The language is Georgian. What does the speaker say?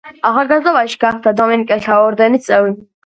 ახალგაზრდობაში გახდა დომინიკელთა ორდენის წევრი.